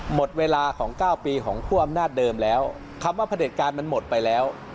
หมดเวลาของ๙ปีของคั่วอำนาจเดิมแล้วคำว่าพระเด็จการมันหมดไปแล้ว